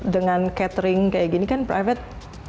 dengan catering kayak gini kan private